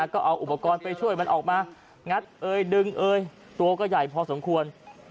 ก็เอาอุปกรณ์ไปช่วยมันออกมางัดเอยดึงเอยตัวก็ใหญ่พอสมควร